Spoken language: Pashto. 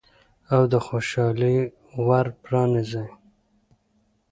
او د خوشحالۍ ور پرانیزئ.